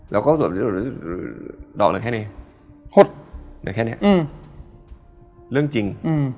แล้วก็ส่วนดอกเหลือแค่นี้ฮดเหลือแค่นี้เรื่องจริง